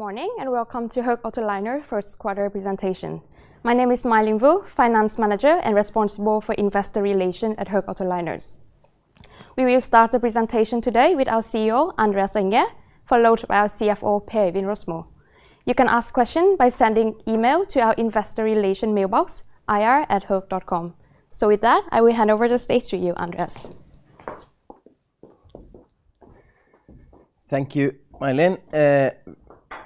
Good morning and welcome to Höegh Autoliners' first quarter presentation. My name is My Linh Vu, Finance Manager and responsible for investor relations at Höegh Autoliners. We will start the presentation today with our CEO, Andreas Enger, followed by our CFO, Per Øivind Rosmo. You can ask questions by sending email to our investor relations mailbox, ir@hoegh.com. So with that, I will hand over the stage to you, Andreas. Thank you, My Linh.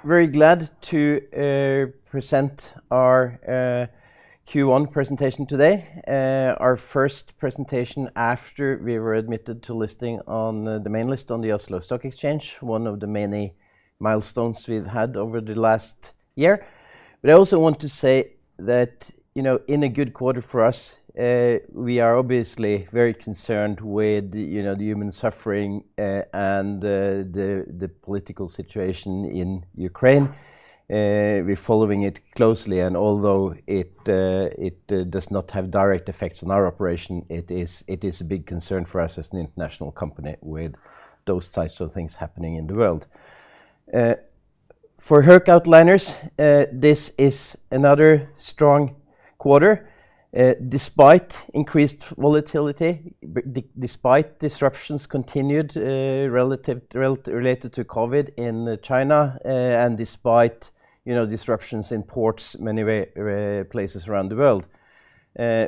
Very glad to present our Q1 presentation today, our first presentation after we were admitted to listing on the main list on the Oslo Stock Exchange, one of the many milestones we've had over the last year. But I also want to say that, you know, in a good quarter for us, we are obviously very concerned with the human suffering and the political situation in Ukraine. We're following it closely, and although it does not have direct effects on our operation, it is a big concern for us as an international company with those types of things happening in the world. For Höegh Autoliners, this is another strong quarter, despite increased volatility, despite disruptions continued related to COVID in China, and despite disruptions in ports in many places around the world.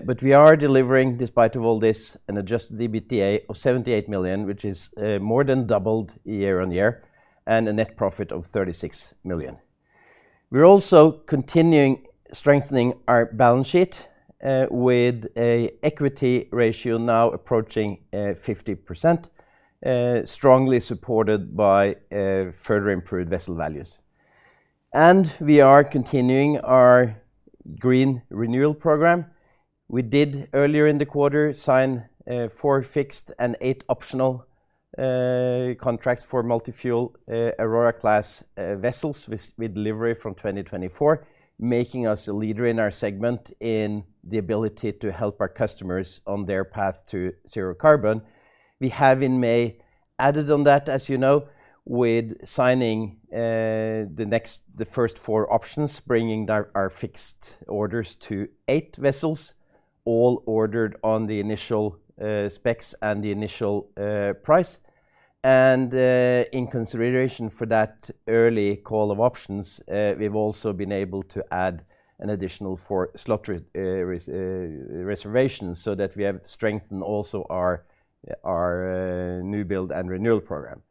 But we are delivering, despite all this, an Adjusted EBITDA of $78 million, which is more than doubled year-on-year, and a net profit of $36 million. We're also continuing strengthening our balance sheet with an equity ratio now approaching 50%, strongly supported by further improved vessel values. We are continuing our green renewal program. We did, earlier in the quarter, sign 4 fixed and 8 optional contracts for multi-fuel Aurora-class vessels with delivery from 2024, making us a leader in our segment in the ability to help our customers on their path to zero carbon. We have, in May, added on that, as you know, with signing the first 4 options, bringing our fixed orders to 8 vessels, all ordered on the initial specs and the initial price. And in consideration for that early call of options, we've also been able to add an additional 4 slot reservations so that we have strengthened also our new build and renewal program.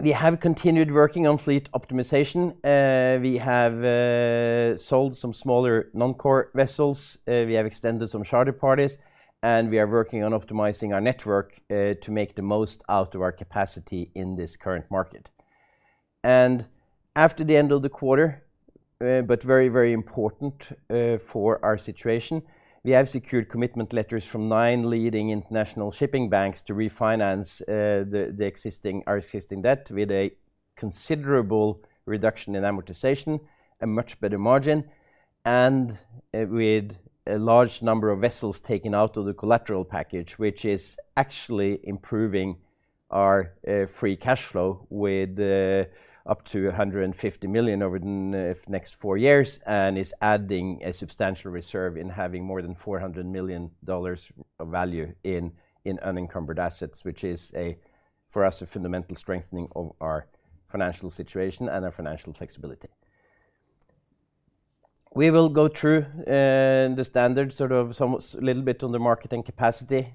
We have continued working on fleet optimization. We have sold some smaller non-core vessels. We have extended some charter parties, and we are working on optimizing our network to make the most out of our capacity in this current market. After the end of the quarter, but very, very important for our situation, we have secured commitment letters from 9 leading international shipping banks to refinance our existing debt with a considerable reduction in amortization, a much better margin, and with a large number of vessels taken out of the collateral package, which is actually improving our free cash flow with up to $150 million over the next 4 years and is adding a substantial reserve in having more than $400 million of value in unencumbered assets, which is, for us, a fundamental strengthening of our financial situation and our financial flexibility. We will go through the standard sort of a little bit on the marketing capacity,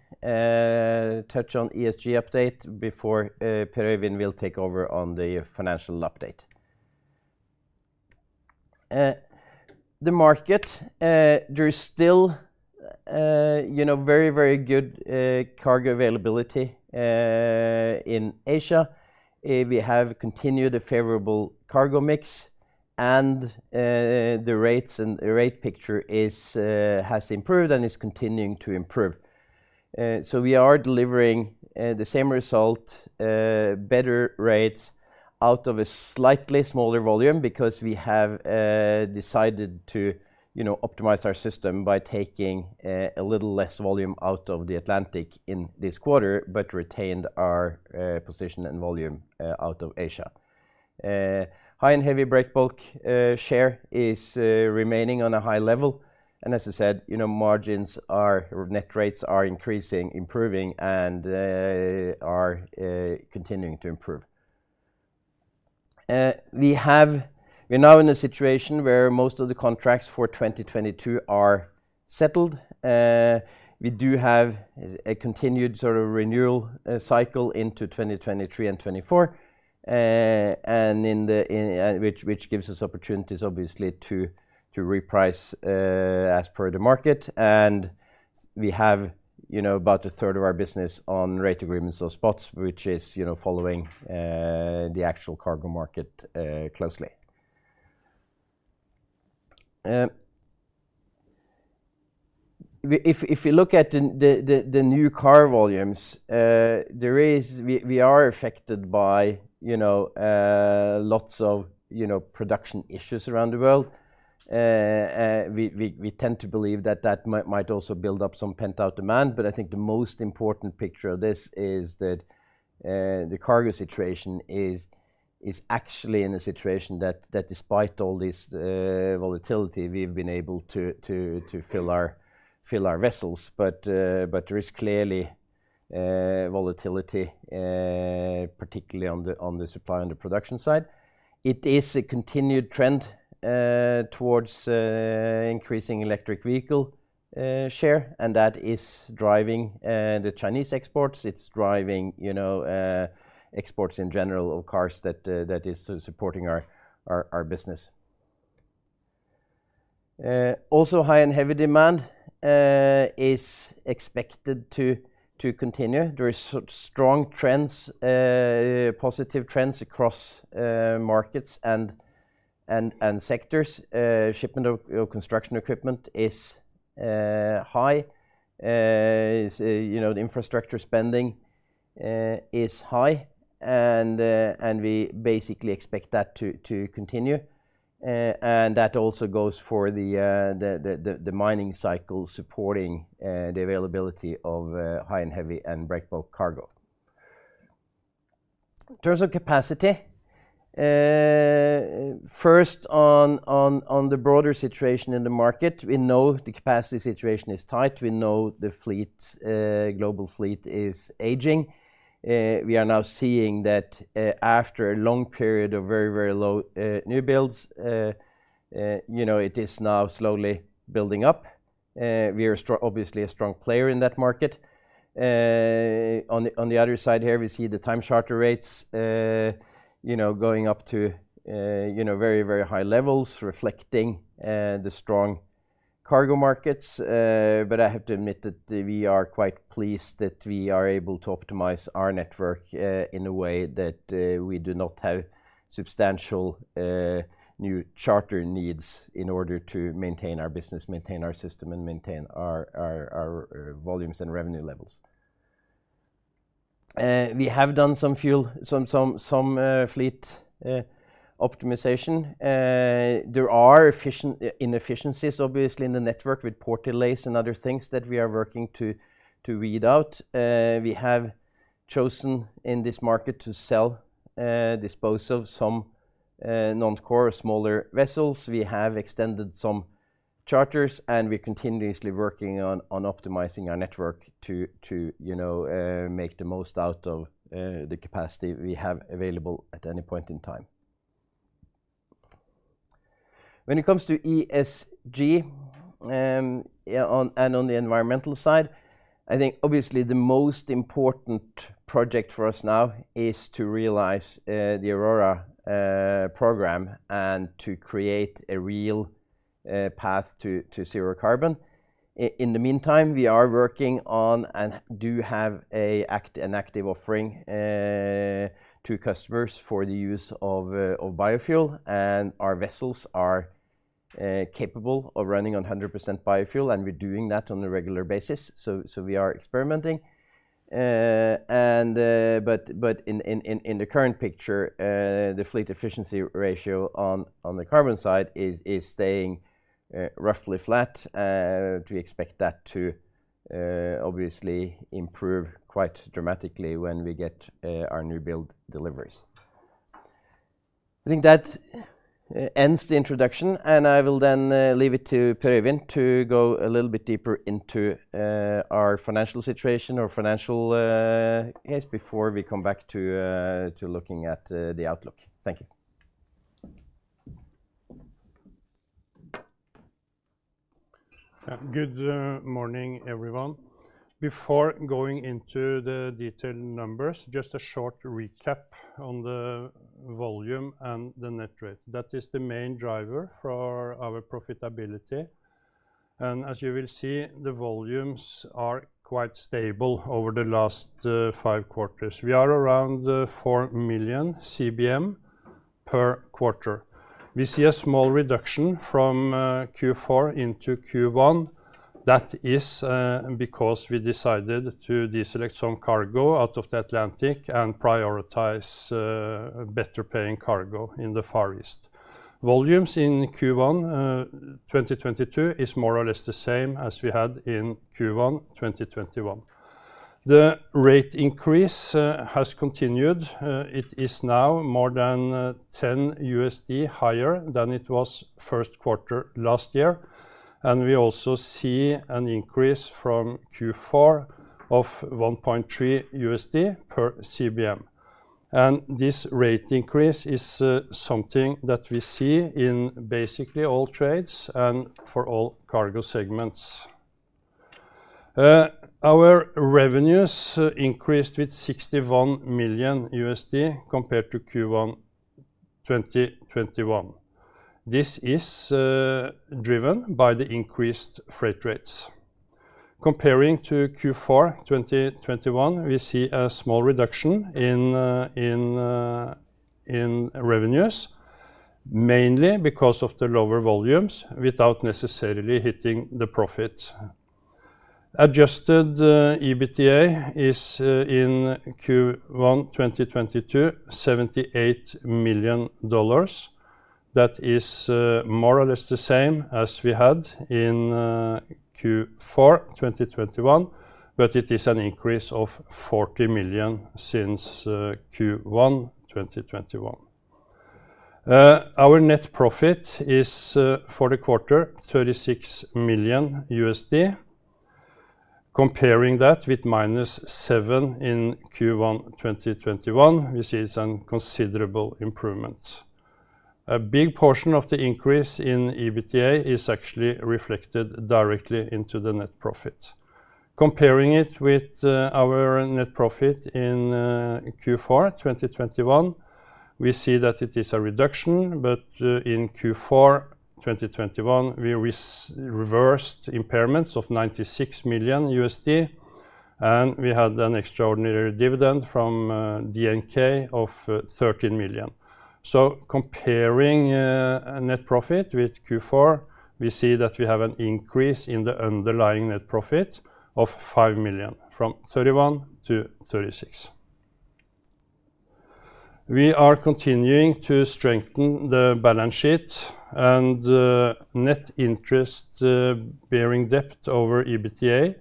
touch on ESG update before Per Øivind will take over on the financial update. The market, there is still very, very good cargo availability in Asia.We have continued a favorable cargo mix, and the rate picture has improved and is continuing to improve. So we are delivering the same result, better rates out of a slightly smaller volume because we have decided to optimize our system by taking a little less volume out of the Atlantic in this quarter, but retained our position and volume out of Asia. High and Heavy, Breakbulk And we have about a third of our business on rate agreements or spots, which is following the actual cargo market closely. If we look at the new car volumes, we are affected by lots of production issues around the world. We tend to believe that that might also build up some pent-up demand, but I think the most important picture of this is that the cargo situation is actually in a situation that, despite all this volatility, we've been able to fill our vessels. But there is clearly volatility, particularly on the supply and the production side. It is a continued trend towards increasing electric vehicle share, and that is driving the Chinese exports. It's driving exports in general of cars that is supporting our business. Also, High and Heavy demand is expected to continue. There are strong trends, positive trends across markets and sectors. Shipment of construction equipment is high. Infrastructure spending is high, and we basically expect that to continue. That also goes for the mining cycle supporting the availability of High and Heavy and Breakbulk cargo. In terms of capacity, first, on the broader situation in the market, we know the capacity situation is tight. We know the global fleet is aging. We are now seeing that after a long period of very, very low new builds, it is now slowly building up. We are obviously a strong player in that market. On the other side here, we see the time charter rates going up to very, very high levels, reflecting the strong cargo markets. But I have to admit that we are quite pleased that we are able to optimize our network in a way that we do not have substantial new charter needs in order to maintain our business, maintain our system, and maintain our volumes and revenue levels. We have done some fleet optimization. There are inefficiencies, obviously, in the network with port delays and other things that we are working to weed out. We have chosen in this market to sell or disposal of some non-core or smaller vessels. We have extended some charters, and we're continuously working on optimizing our network to make the most out of the capacity we have available at any point in time. When it comes to ESG and on the environmental side, I think, obviously, the most important project for us now is to realize the Aurora program and to create a real path to zero carbon. In the meantime, we are working on and do have an active offering to customers for the use of biofuel. And our vessels are capable of running on 100% biofuel, and we're doing that on a regular basis. So we are experimenting. But in the current picture, the fleet efficiency ratio on the carbon side is staying roughly flat. We expect that to, obviously, improve quite dramatically when we get our new build deliveries. I think that ends the introduction, and I will then leave it to Per Øivind to go a little bit deeper into our financial situation or financial case before we come back to looking at the outlook. Thank you. Good morning, everyone. Before going into the detailed numbers, just a short recap on the volume and the net rate. That is the main driver for our profitability. As you will see, the volumes are quite stable over the last five quarters. We are around 4 million cbm per quarter. We see a small reduction from Q4 into Q1. That is because we decided to deselect some cargo out of the Atlantic and prioritize better-paying cargo in the Far East. Volumes in Q1 2022 is more or less the same as we had in Q1 2021. The rate increase has continued. It is now more than $10 higher than it was first quarter last year. We also see an increase from Q4 of $1.3 per cbm. This rate increase is something that we see in basically all trades and for all cargo segments. Our revenues increased with $61 million compared to Q1 2021. This is driven by the increased freight rates. Comparing to Q4 2021, we see a small reduction in revenues, mainly because of the lower volumes without necessarily hitting the profits. Adjusted EBITDA is in Q1 2022, $78 million. That is more or less the same as we had in Q4 2021, but it is an increase of $40 million since Q1 2021. Our net profit is for the quarter, $36 million. Comparing that with minus $7 million in Q1 2021, we see it's a considerable improvement. A big portion of the increase in EBITDA is actually reflected directly into the net profit. Comparing it with our net profit in Q4 2021, we see that it is a reduction, but in Q4 2021, we reversed impairments of $96 million, and we had an extraordinary dividend from DNK of $13 million. Comparing net profit with Q4, we see that we have an increase in the underlying net profit of $5 million from $31 million to $36 million. We are continuing to strengthen the balance sheet, and net interest bearing debt over EBITDA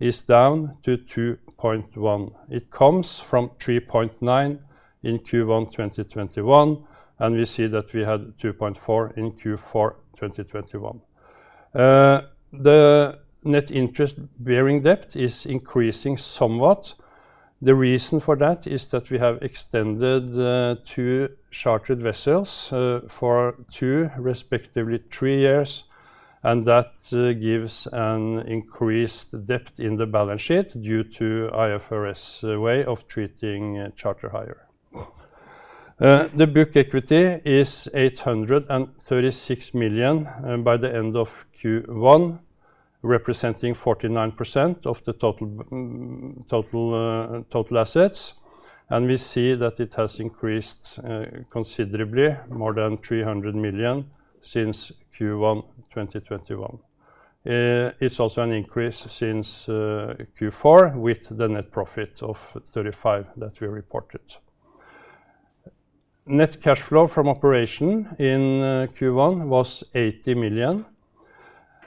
is down to 2.1. It comes from 3.9 in Q1 2021, and we see that we had 2.4 in Q4 2021. The net interest bearing debt is increasing somewhat. The reason for that is that we have extended two chartered vessels for two, respectively, three years, and that gives an increased debt in the balance sheet due to IFRS way of treating charter hire. The book equity is $836 million by the end of Q1, representing 49% of the total assets. We see that it has increased considerably, more than $300 million since Q1 2021. It's also an increase since Q4 with the net profit of $35 million that we reported. Net cash flow from operation in Q1 was $80 million.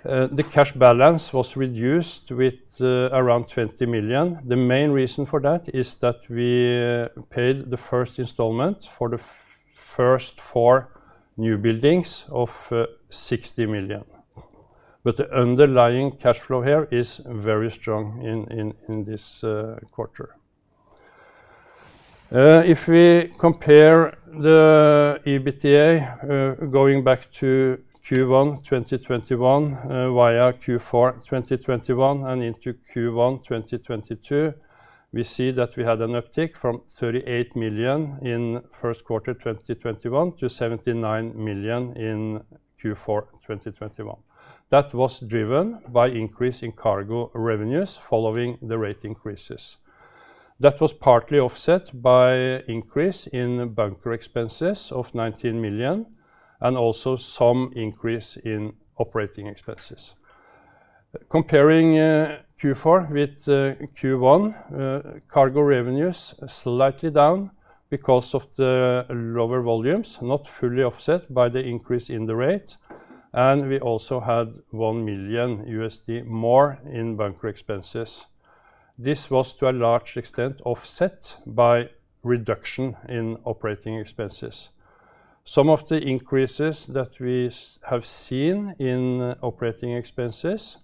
The cash balance was reduced with around $20 million. The main reason for that is that we paid the first installment for the first four new buildings of $60 million. But the underlying cash flow here is very strong in this quarter. If we compare the EBITDA going back to Q1 2021 via Q4 2021 and into Q1 2022, we see that we had an uptick from $38 million in first quarter 2021 to $79 million in Q4 2021. That was driven by increase in cargo revenues following the rate increases. That was partly offset by increase in bunker expenses of $19 million and also some increase in operating expenses. Comparing Q4 with Q1, cargo revenues slightly down because of the lower volumes, not fully offset by the increase in the rate. And we also had $1 million more in bunker expenses. This was to a large extent offset by reduction in operating expenses. Some of the increases that we have seen in operating expenses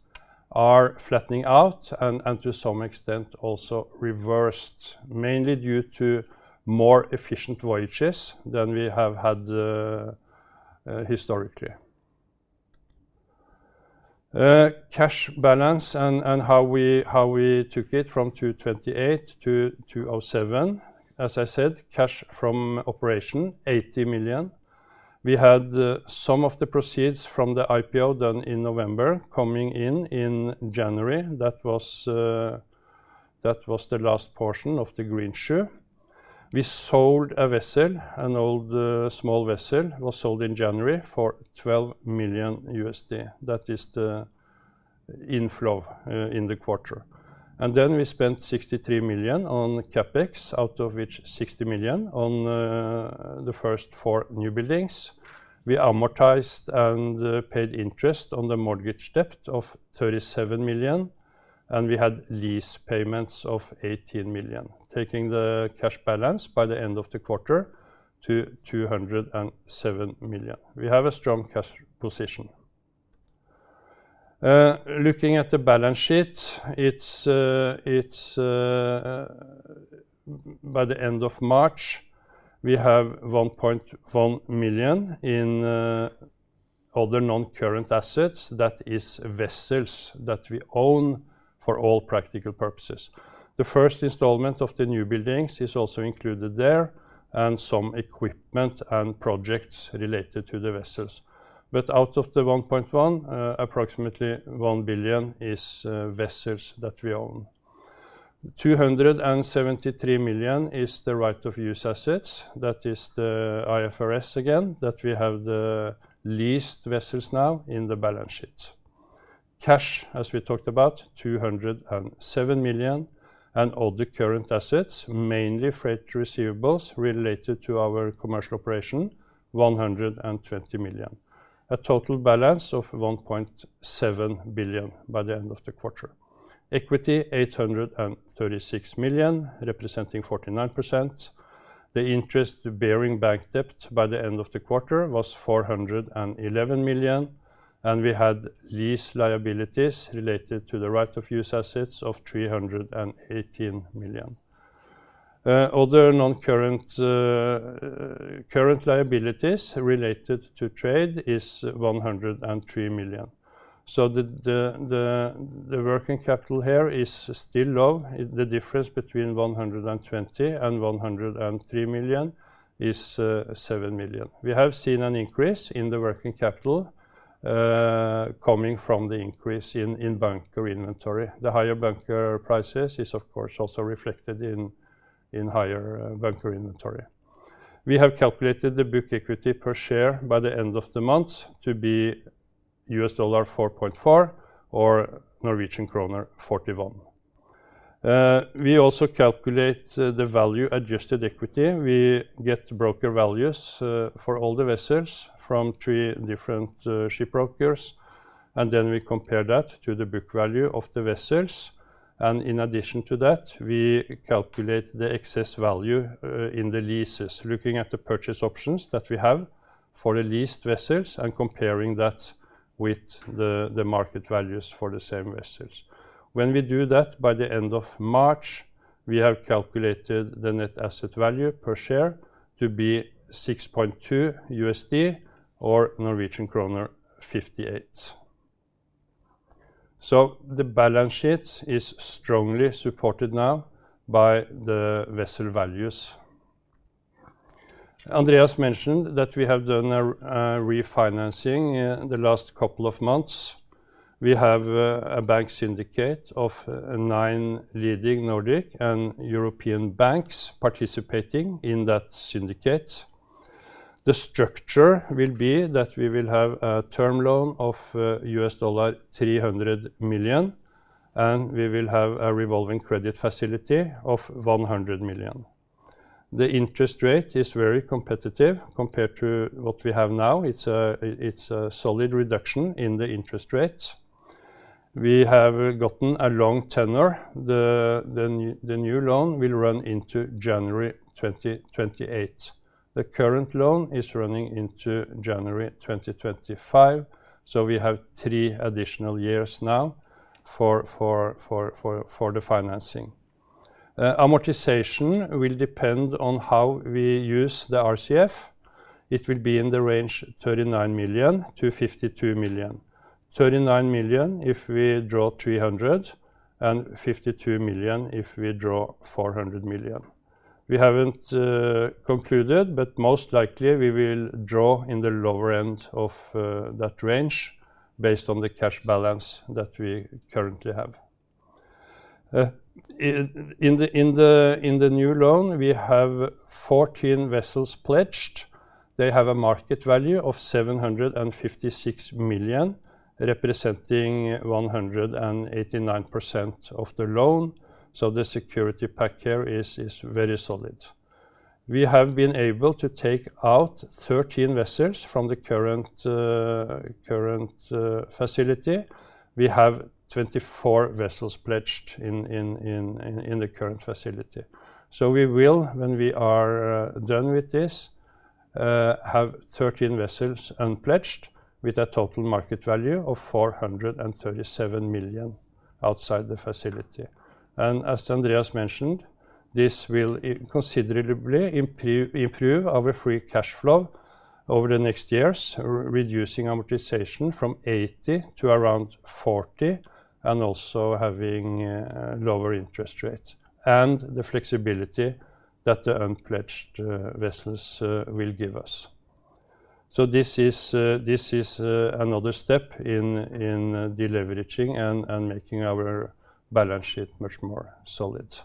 are flattening out and to some extent also reversed, mainly due to more efficient voyages than we have had historically. Cash balance and how we took it from $228 million to $207 million. As I said, cash from operation, $80 million. We had some of the proceeds from the IPO done in November coming in in January. That was the last portion of the Greenshoe. We sold a vessel, an old small vessel was sold in January for $12 million. That is the inflow in the quarter. And then we spent $63 million on CapEx, out of which $60 million on the first four new buildings. We amortized and paid interest on the mortgage debt of $37 million, and we had lease payments of $18 million, taking the cash balance by the end of the quarter to $207 million. We have a strong cash position. Looking at the balance sheet, by the end of March, we have $1.1 billion in other non-current assets. That is vessels that we own for all practical purposes. The first installment of the new buildings is also included there and some equipment and projects related to the vessels. But out of the $1.1 billion, approximately $1 billion is vessels that we own. $273 million is the right-of-use assets. That is the IFRS again that we have the leased vessels now in the balance sheet. Cash, as we talked about, $207 million and other current assets, mainly freight receivables related to our commercial operation, $120 million. A total balance of $1.7 billion by the end of the quarter. Equity, $836 million, representing 49%. The interest-bearing bank debt by the end of the quarter was $411 million, and we had lease liabilities related to the right-of-use assets of $318 million. Other non-current liabilities related to trade is $103 million. So the working capital here is still low. The difference between $120 million and $103 million is $7 million. We have seen an increase in the working capital coming from the increase in bunker inventory. The higher bunker prices is, of course, also reflected in higher bunker inventory. We have calculated the book equity per share by the end of the month to be $4.4 or Norwegian kroner 41. We also calculate the value adjusted equity. We get broker values for all the vessels from three different ship brokers, and then we compare that to the book value of the vessels. In addition to that, we calculate the excess value in the leases, looking at the purchase options that we have for the leased vessels and comparing that with the market values for the same vessels. When we do that by the end of March, we have calculated the net asset value per share to be $6.2 or Norwegian kroner 58. So the balance sheet is strongly supported now by the vessel values. Andreas mentioned that we have done a refinancing in the last couple of months. We have a bank syndicate of nine leading Nordic and European banks participating in that syndicate. The structure will be that we will have a term loan of $300 million, and we will have a revolving credit facility of $100 million. The interest rate is very competitive compared to what we have now. It's a solid reduction in the interest rates. We have gotten a long tenor. The new loan will run into January 2028. The current loan is running into January 2025, so we have three additional years now for the financing. Amortization will depend on how we use the RCF. It will be in the range $39 million-$52 million. $39 million if we draw $300 million and $52 million if we draw $400 million. We haven't concluded, but most likely we will draw in the lower end of that range based on the cash balance that we currently have. In the new loan, we have 14 vessels pledged. They have a market value of $756 million, representing 189% of the loan. So the security pack here is very solid. We have been able to take out 13 vessels from the current facility. We have 24 vessels pledged in the current facility. So we will, when we are done with this, have 13 vessels unpledged with a total market value of $437 million outside the facility. And as Andreas mentioned, this will considerably improve our free cash flow over the next years, reducing amortization from $80 million to around $40 million and also having lower interest rates and the flexibility that the unpledged vessels will give us. So this is another step in deleveraging and making our balance sheet much more solid.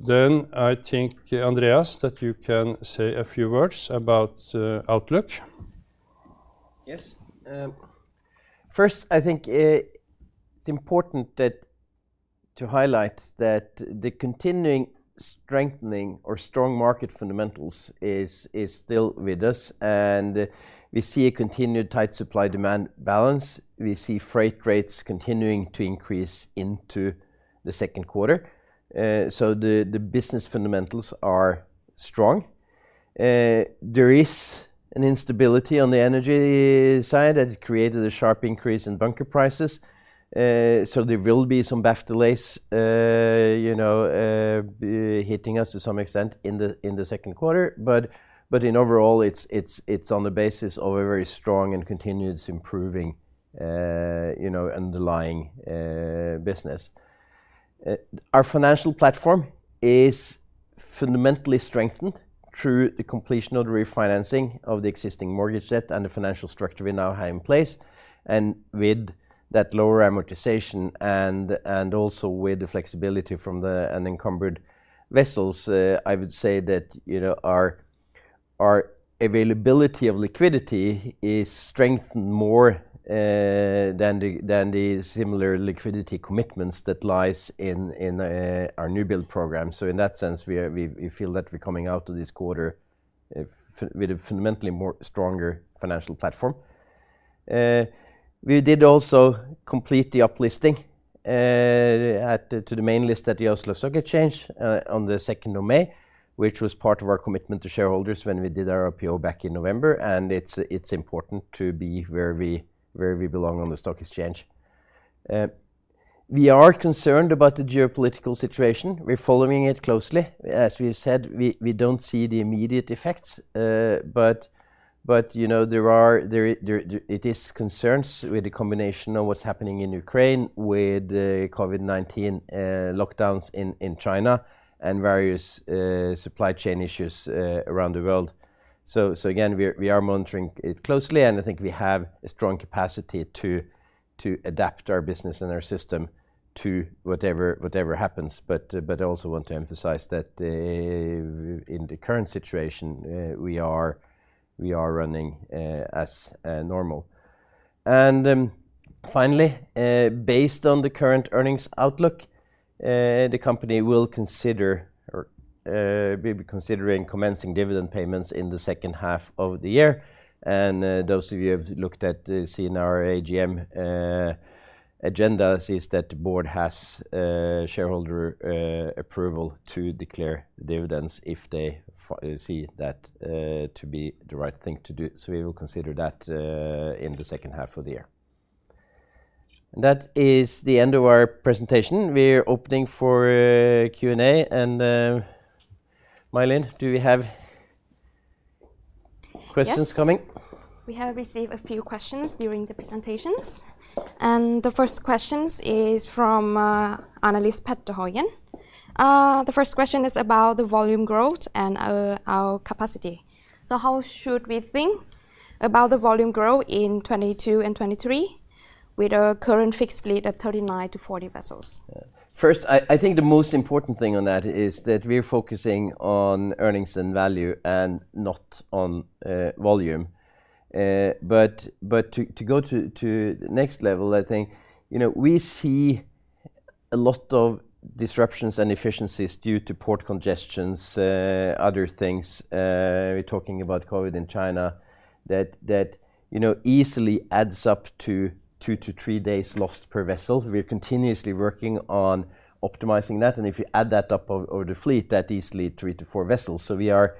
Then I think, Andreas, that you can say a few words about Outlook. Yes. First, I think it's important to highlight that the continuing strengthening or strong market fundamentals is still with us, and we see a continued tight supply-demand balance. We see freight rates continuing to increase into the second quarter. So the business fundamentals are strong. There is an instability on the energy side that created a sharp increase in bunker prices. So there will be some back delays hitting us to some extent in the second quarter. But overall, it's on the basis of a very strong and continuous improving underlying business. Our financial platform is fundamentally strengthened through the completion of the refinancing of the existing mortgage debt and the financial structure we now have in place. And with that lower amortization and also with the flexibility from the unencumbered vessels, I would say that our availability of liquidity is strengthened more than the similar liquidity commitments that lie in our new build program. So in that sense, we feel that we're coming out of this quarter with a fundamentally stronger financial platform. We did also complete the uplisting to the main list at the Oslo Stock Exchange on the 2nd of May, which was part of our commitment to shareholders when we did our IPO back in November. And it's important to be where we belong on the stock exchange. We are concerned about the geopolitical situation. We're following it closely. As we said, we don't see the immediate effects, but it is concerns with the combination of what's happening in Ukraine with COVID-19 lockdowns in China and various supply chain issues around the world. So again, we are monitoring it closely, and I think we have a strong capacity to adapt our business and our system to whatever happens. But I also want to emphasize that in the current situation, we are running as normal. Finally, based on the current earnings outlook, the company will consider commencing dividend payments in the second half of the year. And those of you who have looked at the DNK AGM agenda see that the board has shareholder approval to declare dividends if they see that to be the right thing to do. So we will consider that in the second half of the year. And that is the end of our presentation. We're opening for Q&A. And My Linh, do we have questions coming? We have received a few questions during the presentations. And the first question is from Petter Haugen. The first question is about the volume growth and our capacity. So how should we think about the volume growth in 2022 and 2023 with a current fixed fleet of 39-40 vessels? First, I think the most important thing on that is that we're focusing on earnings and value and not on volume. But to go to the next level, I think we see a lot of disruptions and inefficiencies due to port congestions, other things. We're talking about COVID in China that easily adds up to 2-3 days lost per vessel. We're continuously working on optimizing that. If you add that up over the fleet, that easily 3-4 vessels. So we are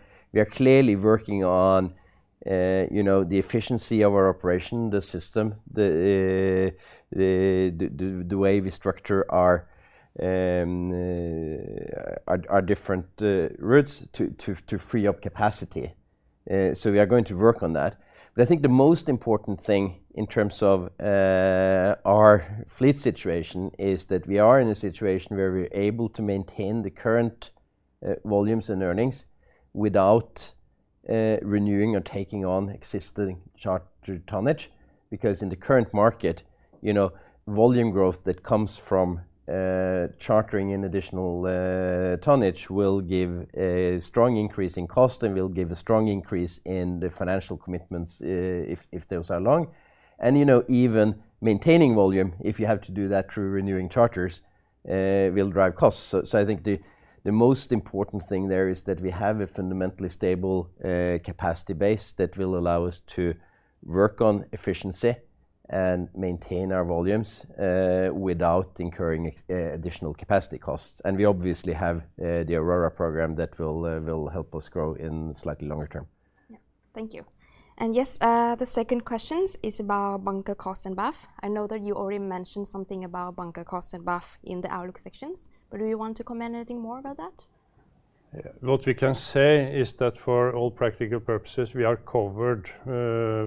clearly working on the efficiency of our operation, the system, the way we structure our different routes to free up capacity. We are going to work on that. But I think the most important thing in terms of our fleet situation is that we are in a situation where we're able to maintain the current volumes and earnings without renewing or taking on existing chartered tonnage. Because in the current market, volume growth that comes from chartering in additional tonnage will give a strong increase in cost and will give a strong increase in the financial commitments if those are long. And even maintaining volume, if you have to do that through renewing charters, will drive costs. So I think the most important thing there is that we have a fundamentally stable capacity base that will allow us to work on efficiency and maintain our volumes without incurring additional capacity costs. And we obviously have the Aurora program that will help us grow in slightly longer term. Yeah. Thank you. Yes, the second question is about bunker cost and BAF. I know that you already mentioned something about bunker cost and BAF in the Outlook sections. But do you want to comment anything more about that? What we can say is that for all practical purposes, we are covered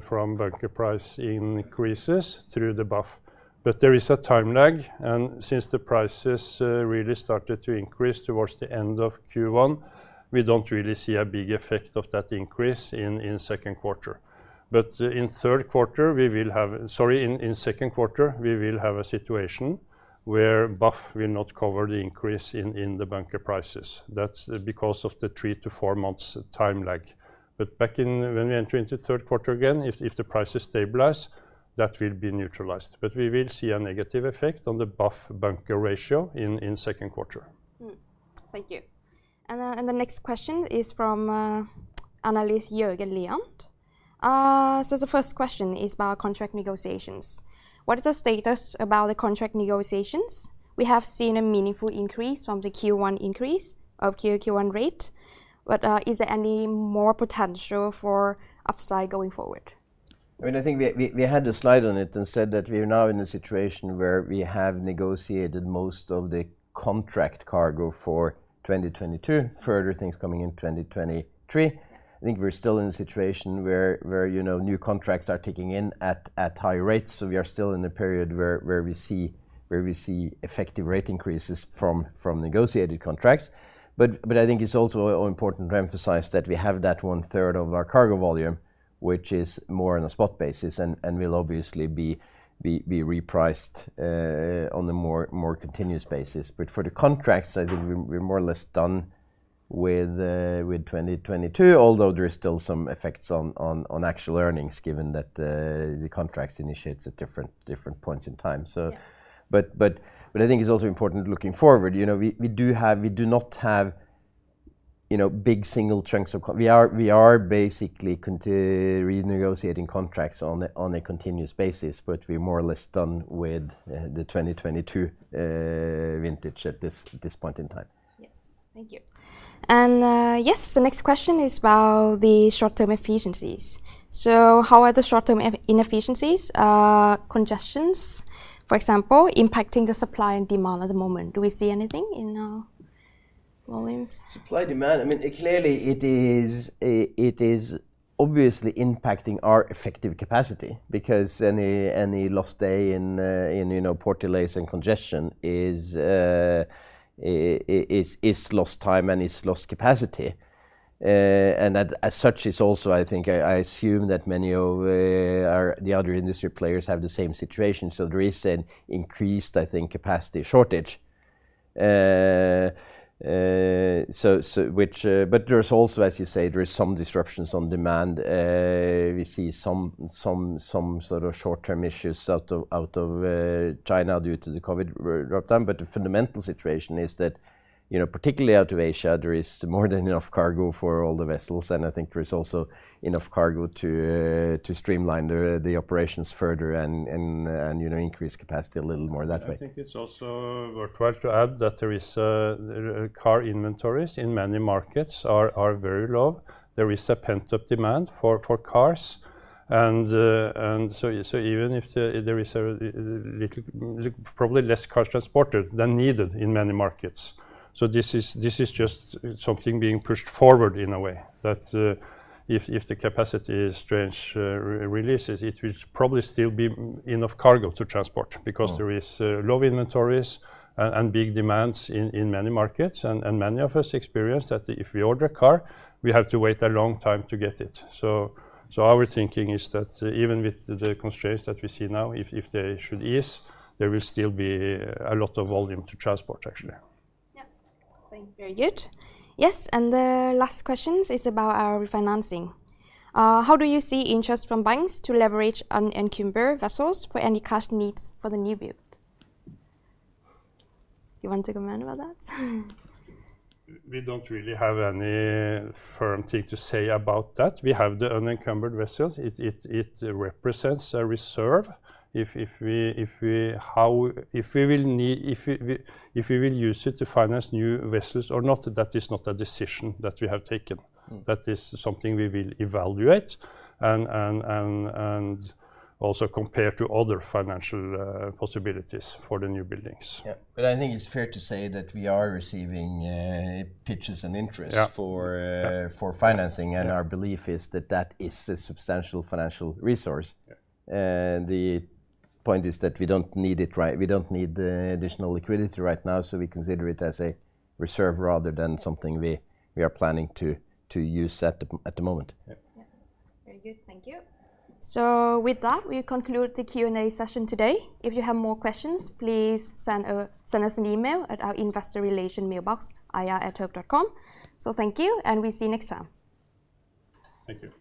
from bunker price increases through the BAF. But there is a time lag. And since the prices really started to increase towards the end of Q1, we don't really see a big effect of that increase in second quarter. But in third quarter, we will have—sorry, in second quarter, we will have a situation where BAF will not cover the increase in the bunker prices. That's because of the 3-4 months time lag. But back when we enter into third quarter again, if the prices stabilize, that will be neutralized. But we will see a negative effect on the BAF-bunker ratio in second quarter. Thank you. And the next question is from Jørgen Lian. So the first question is about contract negotiations. What is the status about the contract negotiations? We have seen a meaningful increase from the Q1 increase of Q2 Q1 rate. But is there any more potential for upside going forward? I mean, I think we had a slide on it and said that we are now in a situation where we have negotiated most of the contract cargo for 2022, further things coming in 2023. I think we're still in a situation where new contracts are ticking in at high rates. So we are still in a period where we see effective rate increases from negotiated contracts. But I think it's also important to emphasize that we have that one-third of our cargo volume, which is more on a spot basis and will obviously be repriced on a more continuous basis. But for the contracts, I think we're more or less done with 2022, although there are still some effects on actual earnings given that the contracts initiate at different points in time. But I think it's also important looking forward. We do not have big single chunks of—we are basically renegotiating contracts on a continuous basis, but we're more or less done with the 2022 vintage at this point in time. Yes. Thank you. And yes, the next question is about the short-term efficiencies. So how are the short-term inefficiencies, congestions, for example, impacting the supply and demand at the moment? Do we see anything in volumes? Supply and demand, I mean, clearly it is obviously impacting our effective capacity because any lost day in port delays and congestion is lost time and is lost capacity. And as such, it's also, I think, I assume that many of the other industry players have the same situation. So there is an increased, I think, capacity shortage. But there's also, as you say, there are some disruptions on demand. We see some sort of short-term issues out of China due to the COVID lockdown. But the fundamental situation is that particularly out of Asia, there is more than enough cargo for all the vessels. And I think there is also enough cargo to streamline the operations further and increase capacity a little more that way. I think it's also worthwhile to add that there are car inventories in many markets that are very low. There is a pent-up demand for cars. So even if there is probably less cars transported than needed in many markets, this is just something being pushed forward in a way that if the capacity is stringent releases, it will probably still be enough cargo to transport because there are low inventories and big demands in many markets. Many of us experience that if we order a car, we have to wait a long time to get it. So our thinking is that even with the constraints that we see now, if they should ease, there will still be a lot of volume to transport, actually. Yeah. Thank you. Very good. Yes. The last question is about our refinancing. How do you see interest from banks to leverage unencumbered vessels for any cash needs for the new build? You want to comment about that? We don't really have any firm thing to say about that. We have the unencumbered vessels. It represents a reserve. If we will use it to finance new vessels or not, that is not a decision that we have taken. That is something we will evaluate and also compare to other financial possibilities for the new buildings. Yeah. But I think it's fair to say that we are receiving pitches and interest for financing. And our belief is that that is a substantial financial resource. The point is that we don't need it, right? We don't need additional liquidity right now. So we consider it as a reserve rather than something we are planning to use at the moment. Yeah. Very good. Thank you. So with that, we conclude the Q&A session today. If you have more questions, please send us an email at our investor relations mailbox, ir@hoegh.com. Thank you. We see you next time. Thank you.